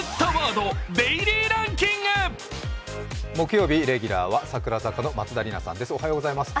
木曜日、レギュラーは櫻坂４６の松田里奈さんです。